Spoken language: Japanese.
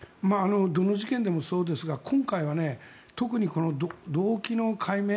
どの事件でもそうですが今回は特に動機の解明